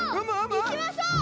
いきましょう！